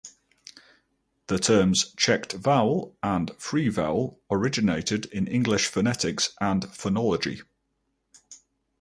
The terms "checked vowel" and "free vowel" originated in English phonetics and phonology.